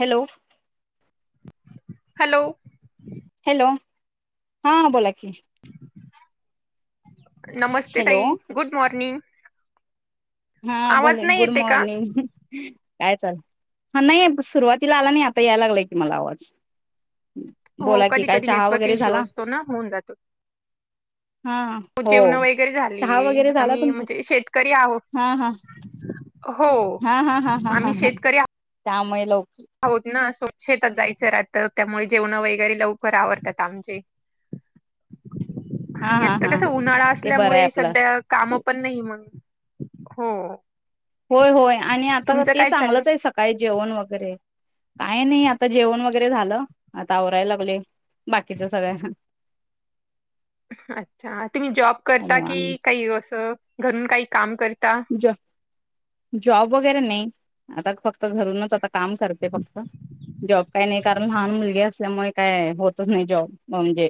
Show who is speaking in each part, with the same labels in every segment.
Speaker 1: Hello
Speaker 2: hello
Speaker 1: hello, हा बोला की,
Speaker 2: नमस्ते
Speaker 1: हॅलो
Speaker 2: ताई, गुड मॉर्निंग.
Speaker 1: हा बोल
Speaker 2: आवाज
Speaker 1: ना,
Speaker 2: नाही
Speaker 1: गुड
Speaker 2: येते का?
Speaker 1: मॉर्निंग ह. काय चालू हाय की, नाही सुरुवातीला आला नाही आता यायला लागलंय कि मला आवाज.
Speaker 2: हो
Speaker 1: बोला की
Speaker 2: कधी
Speaker 1: काय
Speaker 2: कधी
Speaker 1: चहा
Speaker 2: नेटवर्क
Speaker 1: वगैरे
Speaker 2: इश्यू
Speaker 1: झाला
Speaker 2: असतो ना, होऊन जातो.
Speaker 1: हा
Speaker 2: आमची
Speaker 1: हो
Speaker 2: जेवनं वगैरे
Speaker 1: चहा
Speaker 2: झालीय,
Speaker 1: वगैरे झाला
Speaker 2: आम्ही
Speaker 1: तुमचा
Speaker 2: म्हणजे शेतकरी आहोत.
Speaker 1: हा हा
Speaker 2: हो
Speaker 1: हा हा हा हा हा
Speaker 2: आम्ही
Speaker 1: हा
Speaker 2: शेतकरी आहोत.
Speaker 1: त्यामुळे लवकर
Speaker 2: आहोत ना स्वत शेतात जायचे राहत, त्यामुळे जेवणं वैगेरे लवकर आवरतात आमचे.
Speaker 1: हा
Speaker 2: आणि
Speaker 1: हा
Speaker 2: आता
Speaker 1: हा
Speaker 2: कस उन्हाळा
Speaker 1: ते बरं आहे
Speaker 2: असल्यामुळे
Speaker 1: आपलं
Speaker 2: सध्या काम पण नाही मग. हो.
Speaker 1: होय होय आणि आता
Speaker 2: तुमचं
Speaker 1: ते
Speaker 2: काय चाललं
Speaker 1: चांगलंच आहे सकाळी जेवण वगैरे काही नाही आता जेवण वगैरे झालं, आता आवरायला लागलय, बाकीच्या सगळ्या हा
Speaker 2: अच्छा तुम्ही जॉब करता
Speaker 1: हॅलो आणि
Speaker 2: की काही असं घरून काही काम कर
Speaker 1: ज, जॉब वगैरे नाही. आता फक्त घरूनच आता काम करते फक्त, जॉब काही नाही कारण लहान मुलगी असते. त्यामुळे काय होतच नाही जॉब, म्हणजे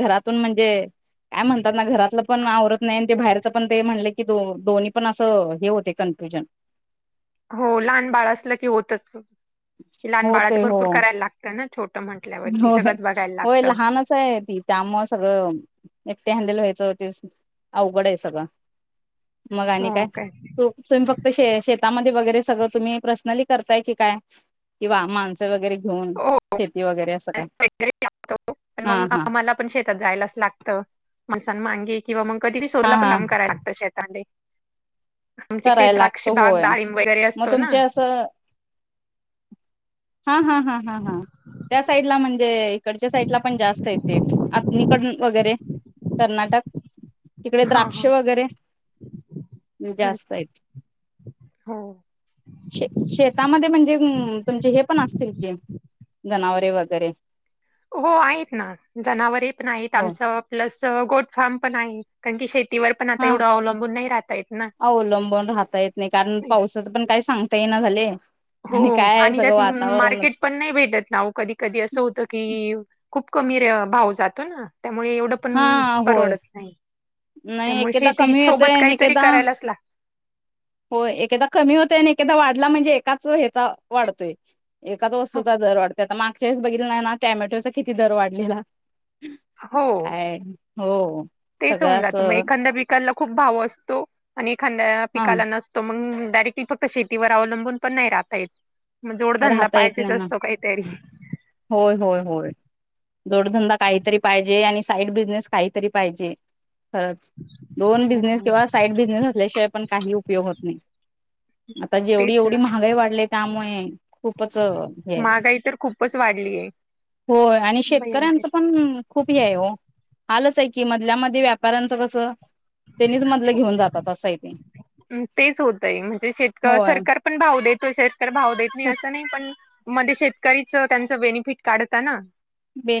Speaker 1: घरातून म्हणजे काय म्हणतात ना घरातलं पण आवरत नाही ते बाहेर पण ते म्हणले की दो दोन्ही पण असं हे होते कन्फ्युजन.
Speaker 2: हो लहान बाळ असलं की होतच लहान
Speaker 1: हो
Speaker 2: बाळाचं
Speaker 1: ते हो
Speaker 2: भरपूर करायला लागतं ना छोटं म्हटल्यावरती
Speaker 1: हो
Speaker 2: सगळंच बघायला
Speaker 1: होय
Speaker 2: लागतं.
Speaker 1: लहानच आहे ती त्यामुळ सगळं एकटे हँडल व्हायचं तेच, अवघड आहे सगळं. मग आणि काय तू तुम्ही फक्त शे शेतामध्ये बघ ते सगं तुम्ही प्रसनली करताय की काय? किंवा माणसं वगैरे, घेऊन
Speaker 2: हो हो
Speaker 1: शेती वगैरे असं काय
Speaker 2: [unintelligible]
Speaker 1: हा
Speaker 2: मंग
Speaker 1: हा
Speaker 2: आम्हाला पण शेतात जायलाच लागत माणसानमांगे. किंवा मंग कधी
Speaker 1: हा
Speaker 2: शोधला पण
Speaker 1: हा
Speaker 2: काम कराया शेत. काटे आमचेकडे
Speaker 1: करायला लागतो
Speaker 2: द्राक्षबाग
Speaker 1: होय
Speaker 2: डाळिंब वगैरे
Speaker 1: मग
Speaker 2: असतो ना,
Speaker 1: तुमचे असं हा हा हा हा हा त्या साईडला म्हणजे इकडच्या साईडला पण जास्त येते आतनीकड वगैरे कर्नाटक. तिकडे
Speaker 2: हा
Speaker 1: द्राक्ष
Speaker 2: हा
Speaker 1: वगैरे
Speaker 2: हा
Speaker 1: जास्
Speaker 2: हो
Speaker 1: शेतामध्ये म्हणजे तुमचे हे पण असतील की जनावरे वगैरे,
Speaker 2: हो आहेत ना जनावरे पण आहेत
Speaker 1: हो
Speaker 2: आमचं प्लस अ गोट फार्म. पण आहे कारण की शे
Speaker 1: हा, अवलंबन राहता येत नाही कारण पावसाच पण काही सांगता येईना झाले. [inaudible]
Speaker 2: हो,
Speaker 1: काय
Speaker 2: आणि
Speaker 1: सगळं
Speaker 2: त्यात म मार्केट
Speaker 1: वातावरणच
Speaker 2: पण नाही भेटत ना ओ कधी कधी असं होतं की खूप कमी रे भाव जातो ना. त्यामुळे एवढं पण
Speaker 1: हा होय
Speaker 2: परवडत नाही
Speaker 1: नाही
Speaker 2: त्यामुळे
Speaker 1: एकेदा
Speaker 2: शेती
Speaker 1: कमी
Speaker 2: सोबत काहीतरी करायलाच लाग
Speaker 1: होय, एकेदा कमी होतय आणि एकेदा वाढला म्हणजे एकाच हेचा वाढतोय. एकाज वस्तूचा दर वाढ त ता मागच्या येस बघितलं नाही ना टॅमॅटोचा किती दर वाढलेला.
Speaker 2: अ हो,
Speaker 1: काय हो ओ
Speaker 2: तेच होऊन जात म एखांद्या बिकाला खूप भाव असतो आणि एखांद्या ऍ
Speaker 1: हा
Speaker 2: पिकाला नसतो मंग डायरेक्ली फक्त शेतीवर अवलंबून पण नाही राहतायेत. म जोडधंदा
Speaker 1: राहता येत
Speaker 2: पाहिजेस
Speaker 1: नाही ना.
Speaker 2: असतो काहीतरी.
Speaker 1: दोडधंदा काहीतरी पाहिजे आणि साईड बिझनेस काहीतरी पाहिजे. खरंच, दोन
Speaker 2: हो,
Speaker 1: बिझनेस
Speaker 2: हो.
Speaker 1: किंवा साईड बिझनेस असल्याशिवाय पण काही उपयोग होत नाही आता जेवढी
Speaker 2: तेच
Speaker 1: एवढी
Speaker 2: ना
Speaker 1: महागाई वाढलीये त्यामुळे खूपच अ हे आहे.
Speaker 2: महागाई तर खूपच वाढलीय
Speaker 1: होय आणि
Speaker 2: भयंकर
Speaker 1: शेतकऱ्यांचं पण खूप हे आहे हो. आलंच आहे की मधल्यामध्ये व्यापाऱ्यांचं कसं त्यांनीच मधलं घेऊन जातात असय ते.
Speaker 2: हमं तेच होतंय म्हणजे शेत
Speaker 1: होय
Speaker 2: सरकार पण भाव देतो शेतक भाऊ देत तुम्ही
Speaker 1: सर
Speaker 2: असं नाही पण मध्ये शेतकरीच त्यांच बेनिफिट काढत आहे ना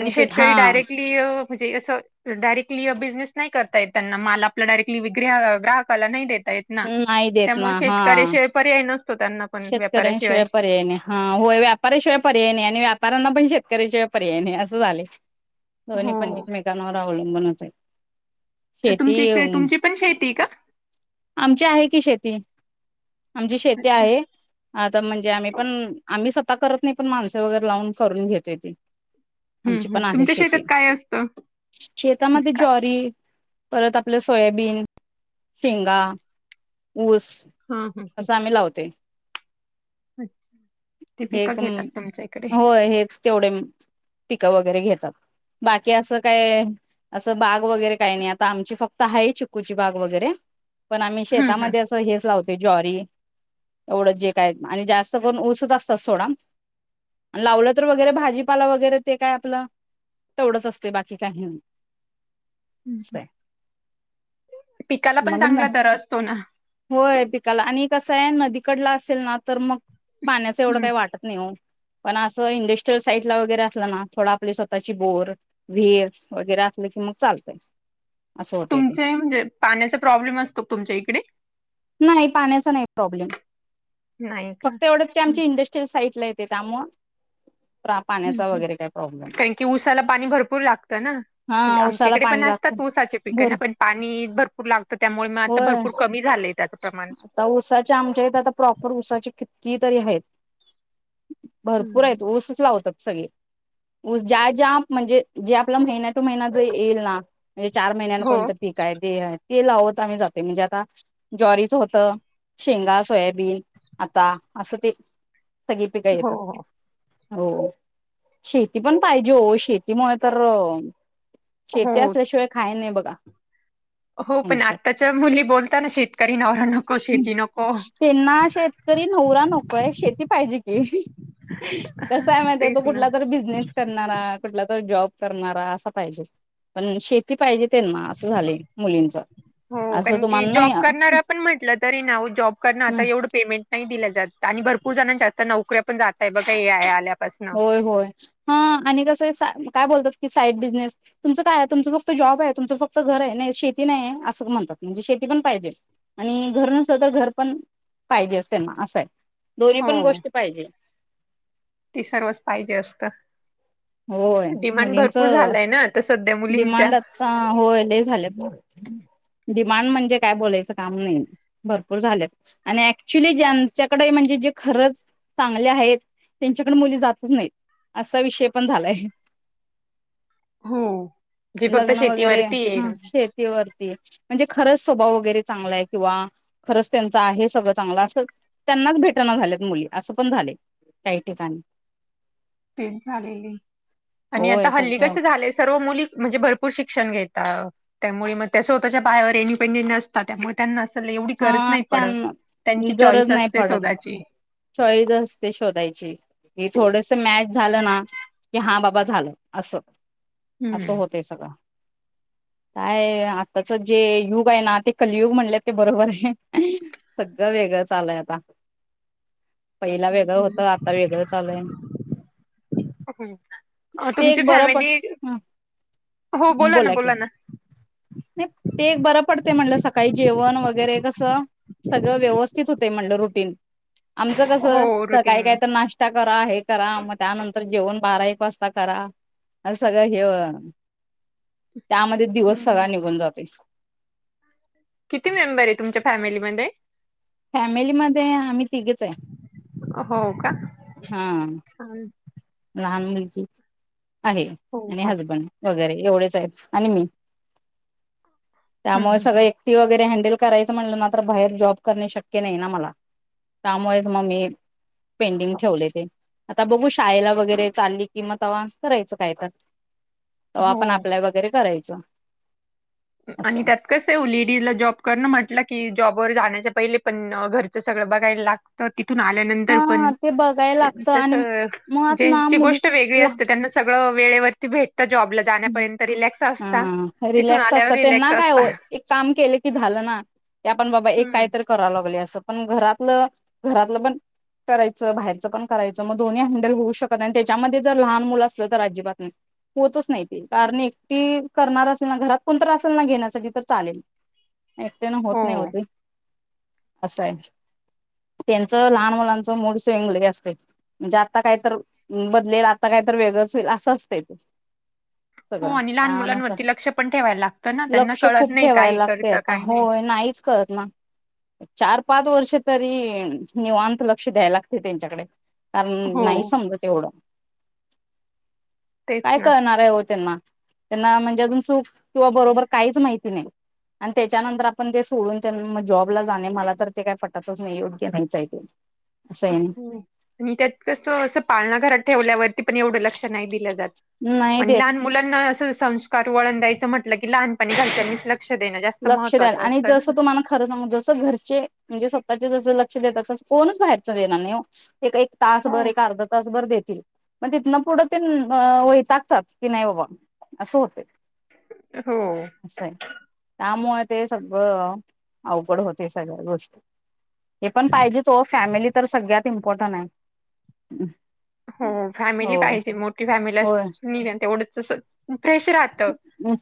Speaker 2: आणि
Speaker 1: हा
Speaker 2: शेतकरी डायरेक्टली म्हणजे असं डायरेक्टली बिझनेस नाही करता येत त्यांना माल आपला डायरेक्टली ग्राहकाला नाही देताेत ना
Speaker 1: नाही देत ना
Speaker 2: त्यामुळे
Speaker 1: हा
Speaker 2: शेतकऱ्याशिवाय पर्याय न
Speaker 1: शेतकऱ्यांशिवाय पर्याय नाही हा होय व्यापऱशिवाय पर्याय नाही आणि व्यापऱ्यांना पण शेत शेतकरी्याच्याि पर्यायने असं झाले दोन्ही पण
Speaker 2: हो.
Speaker 1: एकमेकांवर अवलंबनात आहे शेती
Speaker 2: तुमची इकडे तुमची पण शेती का
Speaker 1: आमची आहे की शेती आमची शेती
Speaker 2: अच्छा
Speaker 1: आहे आता म्हणजे आम्ही पण आम मी स्वतः करत नाही पण माणसे वगैरे लावून करून घेतोय ती
Speaker 2: हम्म
Speaker 1: आमची
Speaker 2: हम्म
Speaker 1: पण आहे
Speaker 2: तुमच्या शेतात
Speaker 1: शेती
Speaker 2: काय असतं म्हणजे
Speaker 1: शेतामध्ये
Speaker 2: काय?
Speaker 1: ज्ारी परत आपलं सोयाबीन शेंगा ऊस
Speaker 2: हा
Speaker 1: असं आम्ही लावते
Speaker 2: अच्छा
Speaker 1: हे कूम होय हेच तेवढे पिकं वगैरे घेत चा बाकी असं काय असं बा वगैरे काही नाही आमची फक्त आता आहे चीकूची बाग वगैरे? पण आम्ही
Speaker 2: हम्म
Speaker 1: शेतामध्ये असं हेच लावतो ज्वारी एवढं जे काय आणि जास्त पण ऊस जास्त सोडा आणि लावलं तर वगैरे भाजीपाला वगरे ते काय आपलं तेवढंच असते बाकी काही
Speaker 2: हम्म.
Speaker 1: सतय,
Speaker 2: पिकाला पण
Speaker 1: मग न
Speaker 2: चांगला दर असतो ना.
Speaker 1: होय पिकाला आणि कसं आहे नदीकडला असेल ना तर मग पाण्याचा एवढं
Speaker 2: हम्म.
Speaker 1: काय वाटत नाही हो. पण असं इंडस्ट्रीयल साईटला वगैरे असलं ना थोडं आपली स्वतःची बोर, विहीर वगैरे असलं की मग चालतय.
Speaker 2: तुमचे म्हणजे पाण्याचा प्रॉब्लेम असतो तुमच्या इकडे?
Speaker 1: नाही पाण्याचा नाही प्रॉब्लेम.
Speaker 2: नाही का?
Speaker 1: फक्त एवढंच की
Speaker 2: हम्म
Speaker 1: आमच्या इंडस्ट्रीियल साईट ला येते त्यामुळे
Speaker 2: हम्म हम्म
Speaker 1: प्रॉब्लेम नाही.
Speaker 2: कारण की, ऊसाला पाणी भरपूर लागतं ना म्हणजे,
Speaker 1: हा
Speaker 2: आमच्या
Speaker 1: ऊसाला
Speaker 2: इकडे
Speaker 1: पाणी लागतं
Speaker 2: असतात ऊसाचे पिकं
Speaker 1: भर
Speaker 2: ना पण पाणी भरपूर लागतं, त्यामुळे मग आता
Speaker 1: होय
Speaker 2: भरपूर कमी झालेय.
Speaker 1: आता उसाच्या आमच्या इथं, आता प्रॉपर उसाची किती तरी आहेत. भरपूर
Speaker 2: हम्म.
Speaker 1: आहेत, ऊसच लावतात. सगळे ऊस ज्या ज्या म्हणजे जे आपला महिना टू महिना जर येईल ना म्हणजे चार महिन्यान
Speaker 2: हो
Speaker 1: कोणतं पीक आहे, देह आहेत. ते लावत आम्ही जाते, म्हणजे आता ज्वारी चं होतं हा शेंगा, सोयाबीन आता असं ते सगळी पिका
Speaker 2: हो
Speaker 1: येतात. हो शेती पण पाहिजे, हो शेतीमुळे तर
Speaker 2: हो
Speaker 1: शेती
Speaker 2: हो.
Speaker 1: असल्याशिवाय खाय नाय बघ बा
Speaker 2: हो पण आताच्या मुली बोलताना शेतकरी ना
Speaker 1: त्यांना शेतकरी नवरा नकोय, शेती पाहिजे की, कसं आहे माहिती
Speaker 2: तेच
Speaker 1: तो
Speaker 2: ना
Speaker 1: कुठला तरी बिजनेस करणारा, कुठला तरी जॉब करणारा असं पाहिजे पण शे ती पाहिजे त्यांना असं झाले मुलींचा,
Speaker 2: हो
Speaker 1: असं
Speaker 2: कारण की
Speaker 1: तुम्हाला नाही
Speaker 2: जॉब करणारा पण म्हटलं तरी ना, जॉब करण आता एवढं पेमेंट नाही. दिल्या जात आणि भरपूर जणांच्या आता, नोकऱ्या पण जातय बघा हे आल्या.
Speaker 1: होय होय हा आणि कसं सा काय बोलतात. की साईड बिझनेस तुमचं काय आहे. तुमचं फक्त जॉब आहे. तुमचं फक्त घर आहे. नाही शेती नाही आहे. असं म्हणतात, म्हणजे शेती पण पाहिजे, आणि घर नसल तर घर पण पाहिजेच, त्यांना असं आहे. दोन्ही पण
Speaker 2: हो
Speaker 1: गोष्टी पाहिजे.
Speaker 2: ती सर्वच पाहिजे असतं.
Speaker 1: होय
Speaker 2: डिमांड
Speaker 1: मुलींच
Speaker 2: भरपूर झालाय ना तस.
Speaker 1: डिमांड आता होय ल झाले. डिमांड म्हणजे काय बोलायचं काम नाही, भरपूर झालेत आणि ऍक्च्युली ज्यांच्याकडे म्हणजे जे खरंच चांगले आहेत. त्यांच्याकडे मुली जातच नाहीत, असा विषय पण झालाय.
Speaker 2: हो. जी फक्त
Speaker 1: लग्न वगैरे ह
Speaker 2: शेतीवरती आहे.
Speaker 1: शेती वरती. म्हणजे खरंच स्वभाव वगैरे चांगला आहे. किंवा खरंच त्यांच आहे. सगळं चांगलं असं त्यांनाच भेटना झालेत मुली असं पण झाले, काही ठिकाणी.
Speaker 2: तेच झालेय आणि आता,
Speaker 1: होय
Speaker 2: हल्ली
Speaker 1: सगळं
Speaker 2: कस झालंय सर्व मुली. म्हणजे भरपूर शिक्षण घेताव त्यामुळे, मग त्या स्वतःच्या पायावर एडिपेंडेंट असतात, त्यामुळे त्यांना स
Speaker 1: हा त्यांना गरज
Speaker 2: चॉईस
Speaker 1: नाही
Speaker 2: असते
Speaker 1: पडत
Speaker 2: स्वतःची.
Speaker 1: चॉईस असते शोधायची थोडस मॅच झालं ना की हा बाबा झालं असं
Speaker 2: हम्म
Speaker 1: असं होतय सगळं काय आताच जे युग आहे ना ते कलियुग म्हणले ते बरोबर आहे सगळं वेगळं चाललय आता पहिला वेगळं होतं आता वेगळं चालूय ते
Speaker 2: तुमची
Speaker 1: एक बरं पड
Speaker 2: फॅमिली हो ना
Speaker 1: बोला की
Speaker 2: ना
Speaker 1: नाही ते एक बरं पडते म्हणलं सकाळी जेवण वगैरे कसं सगळ व्यवस्थित होते म्हणलं रूट तीन आमचं कस
Speaker 2: हो
Speaker 1: सकाळी
Speaker 2: रुटीन
Speaker 1: काही तर नाश्ता करा हे करा मग त्यानंतर जेवण बारा एक पास्ता करा आणि सगळं हे त्यामध्ये दिवस सगळा निघून जातोय.
Speaker 2: किती मेंबर आहे तुमच्या फॅमिलीमध्ये
Speaker 1: फॅमिलीमध्ये आम्ही तिघेच आहे
Speaker 2: हो का
Speaker 1: हा.
Speaker 2: छान
Speaker 1: लहान आहे
Speaker 2: हो
Speaker 1: आणि
Speaker 2: हो.
Speaker 1: हजबंड वगैरे एवढेच आहेत आणि मी
Speaker 2: हम्म
Speaker 1: त्यामुळे
Speaker 2: हम्म.
Speaker 1: सगळ एकटी वगैरे हँडल करायच म्हणलं ना तर बाहेर जॉब करणं शक्य नाही ना मला त्यामुळेच मग मी पेंडिंग ठेवलय ते आता बघू शाळेला वगैरे चालली किंवा तवा करायचं काय तर
Speaker 2: हम्म.
Speaker 1: तवा आपण
Speaker 2: हो.
Speaker 1: अप्लाय वगैरे करायच च
Speaker 2: आणि त्यात कस ओ लेडीजला जॉब करण वगैरे म्हटलं की जॉब बर जाण्याच्या पहिले पण घरचं सगळ बघायला लागतं. तिथून आल्यानंतर
Speaker 1: हा
Speaker 2: पण
Speaker 1: ते बघायला लागतं
Speaker 2: तस
Speaker 1: आणि मुळात ना
Speaker 2: ज्यांची
Speaker 1: मुली
Speaker 2: गोष्ट वेगळी असते त्यांना सगळं वेळेवरती भेट त्या जॉबला जाण्यापर्यंत रिलॅक्स असता
Speaker 1: हा
Speaker 2: तिथून
Speaker 1: रिलॅक्स
Speaker 2: आल्यावर
Speaker 1: असतात
Speaker 2: रिलॅक्स
Speaker 1: त्यांना काय
Speaker 2: असता
Speaker 1: हो एक काम केलं की झालं ना की आपण बाबा एक काय
Speaker 2: हम्म
Speaker 1: तर करालो - - अस पण घरातलं घरातलं पण करायचं बाहेरच पण करायचं मग दोन्ही हँडल होऊ शकत आणि त्याच्यामध्ये जर लहान मुलं असलं तर अजिबात नाही होतच नाही. कारण एकटी करणार असेल ना घरात कोणतर असेल ना घेण्यासाठी तर चालेल. एकट्यान होत
Speaker 2: हो
Speaker 1: नाही ओ ते असंय त्यांचं लहान मुलांच मूड स्विंग लई असतय म्हणजे आता काहीतर बदलेल आता काहीतर वेगळंच होईल असं असतंय ते
Speaker 2: हो
Speaker 1: सगळं
Speaker 2: आणि लहान
Speaker 1: त्यानुसार
Speaker 2: मुलांवरती लक्ष पण ठेवायला लागतं ना त्यांना
Speaker 1: लक्ष
Speaker 2: कळत
Speaker 1: खूप
Speaker 2: नाही
Speaker 1: ठेवायला
Speaker 2: काय
Speaker 1: लागतय
Speaker 2: करतं
Speaker 1: आता
Speaker 2: काय नाही
Speaker 1: होय नाहीच करत ना चार पाच वर्ष तरी निवांत लक्ष द्यायला लागतय त्यांच्याकडे कारण
Speaker 2: हो
Speaker 1: नाही समजत ऐवढं
Speaker 2: तेच
Speaker 1: काय
Speaker 2: ना
Speaker 1: कळणाराय ओ त्यांना त्यांना म्हणजे अजुन चूक किंवा बरोबर काहीच माहिती नाही आणि त्याच्यानंतर आपण ते सोडून त्यान् जॉबला जाणे मला तर ते काही पटतच नाही योग्य नाईचाय ते असं आहे
Speaker 2: आणि त्यात कसं असं पाळणाघरात ठेवल्यावरती पण एवढं - - क्ष नाही दिलं जात.
Speaker 1: नाही
Speaker 2: पण
Speaker 1: देत
Speaker 2: लहान मुलांना असं संस्कार वळण द्यायचं म्हटलं की लहानपणी घरच्यांनीच लक्ष देणं जास्त
Speaker 1: लक्ष द्याल
Speaker 2: महत्त्वाचं
Speaker 1: आणि
Speaker 2: असतं ना.
Speaker 1: जसं तुम्हाला खरं सांगु जस घरचे म्हणजे स्वतःचे जस लक् क्ष देतात कोणच बाहेरच देणार नाही ओ. एक एक तासभर
Speaker 2: हो.
Speaker 1: एक अर्धा तासभर देत ती मग तिथन पुढ तिन अ वैतागत्यात की नाही बाबा असं होतय.
Speaker 2: हो
Speaker 1: त्यामुळे ते सगळं अवघड होते सगळ्या गोष्टी हे पण पाहिजेच हो फॅमिली तर सगळ्यात इम्पॉर्टंट हाय.
Speaker 2: हो फॅमिली पाहिजे मोठी फॅमिली
Speaker 1: होय
Speaker 2: असलीना तेवढंच असं फ्रेश राहत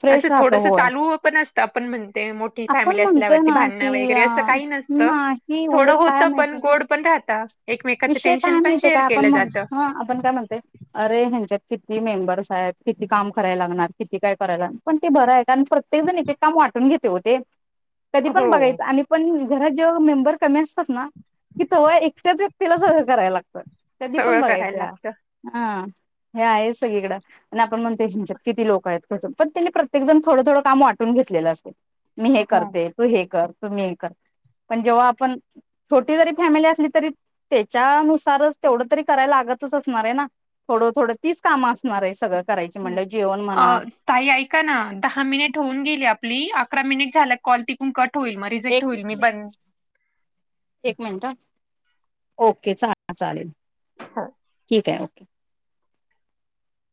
Speaker 1: फ्रेश
Speaker 2: असं
Speaker 1: राहत
Speaker 2: थोडस
Speaker 1: होय
Speaker 2: चालू पण असतं आपण म्हणते
Speaker 1: आपण
Speaker 2: फॅमिली
Speaker 1: म्हणतोय
Speaker 2: असल्यावरती
Speaker 1: ना
Speaker 2: भांडण
Speaker 1: की
Speaker 2: वैगैरे असं काही नसतं
Speaker 1: नाही
Speaker 2: थोडं
Speaker 1: उलट काय
Speaker 2: होतं
Speaker 1: माहिती
Speaker 2: पण गोड पण राहत.
Speaker 1: विषय काय माहितीये का आपण म्हण अ आपण काय म्हणते अरे ह्यांच्यात किती मेंबर्स आहेत किती काम करायला लागणार किती काय करायला लागणार पण ते बरं आहे कारण प्रत्येक जण एकेक काम वाटून घेते हो ते. कधी
Speaker 2: हो
Speaker 1: पण बघायचं आणि पण घरात जेव्हा मेंबर कमी असतात ना तिथे हो एकट्याचे तिला सगळं करायला लागतं, कधी पण
Speaker 2: सगळं करायला
Speaker 1: बघायचं
Speaker 2: लागतं.
Speaker 1: हं. हे आहे सगळीकडं आणि आपण म्हणतोय यांच्यात किती लोक आहेत, पण त्यांनी प्रत्येक जण थोडं थोडं काम वाटून घेतलेलं असत. मी हे करते, तू हे कर. तुम्ही हे करा, पण जेव्हा आपण छोटी जरी फॅमिली असली तरी त्याच्यानुसारच तेवढं तरी करायला लागतच असणार आहे ना थोडं थोडं तीच कामं असणार आहे सगळं. करायची म्हणलं जेवण म्हणा
Speaker 2: ताई ऐका ना, दहा मिनिट होऊन गेली आप ली अकरा मिनिट झाला कॉल तिकून कट होईल मग रिजेक्ट
Speaker 1: एक
Speaker 2: होईल, मी बंद
Speaker 1: एक मिनिट ओके चाला चालेल.
Speaker 2: हो
Speaker 1: [unintelligible]